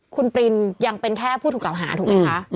คุณปรินยังเป็นแค่ผู้ถูกกล่าวหาถูกไหมคะ